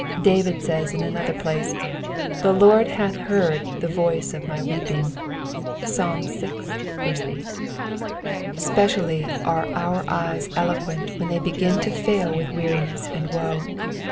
David says in another place, The Lord hath heard the voice of my weeping'' (Ps. vi. 8). Specially are our eyes eloquent when they begin to fail with weariness and woe.